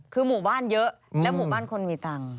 คือหมู่บ้านเยอะและหมู่บ้านคนมีตังค์